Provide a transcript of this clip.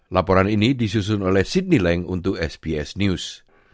laporan ini disusun oleh sidney leng untuk sbs news